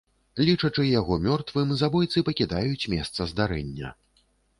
Лічачы яго мёртвым, забойцы пакідаюць месца здарэння.